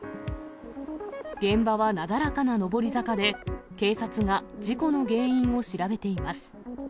現場はなだらかな上り坂で、警察が事故の原因を調べています。